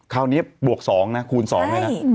คราวนี้บวก๒นะคูณ๒เลยนะ